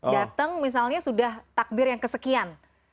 datang misalnya sudah takbir yang kesekian